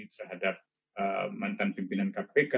terhadap mantan pimpinan kpk